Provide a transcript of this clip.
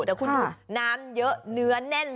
แต่คุณดูน้ำเยอะเนื้อแน่น